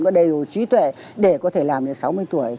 có đầy đủ trí tuệ để có thể làm được sáu mươi tuổi